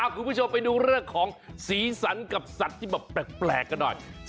คุณผู้ชมไปดูเรื่องของสีสันกับสัตว์ที่แบบแปลกกันหน่อย